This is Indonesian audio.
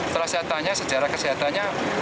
setelah saya tanya sejarah kesehatannya